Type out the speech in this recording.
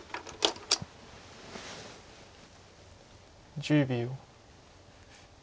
１０秒。